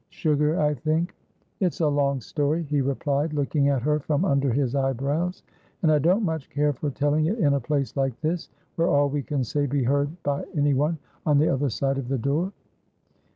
Sugar, I think?" "It's a long story," he replied, looking at her from under his eyebrows, "and I don't much care for telling it in a place like this, where all we say can be heard by anyone on the other side of the door."